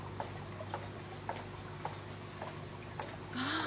ああ。